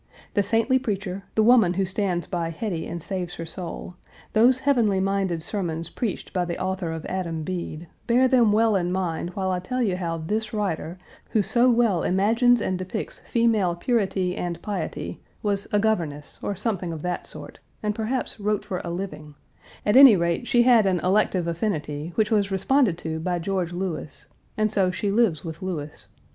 The saintly preacher, the woman who stands by Hetty and saves her soul; those heavenly minded sermons preached by the author of Adam Bede, bear them well in mind while I tell you how this writer, who so well imagines and depicts female purity and piety, was a governess, or something of that sort, and perhaps wrote for a living; at any rate, she had an elective affinity, which was responded to, by George Lewes, and so she lives with Lewes.